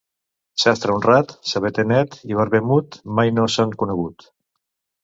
Sastre honrat, sabater net i barber mut mai no s'han conegut.